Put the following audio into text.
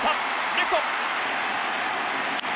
レフト！